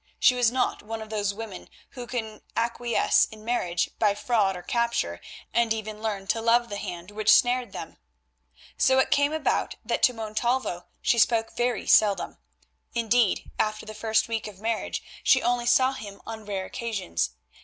She was not one of those women who can acquiesce in marriage by fraud or capture, and even learn to love the hand which snared them. So it came about that to Montalvo she spoke very seldom; indeed after the first week of marriage she only saw him on rare occasions.